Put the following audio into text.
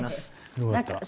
よかった。